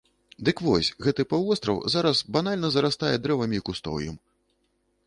Дык вось, гэты паўвостраў зараз банальна зарастае дрэвамі і кустоўем!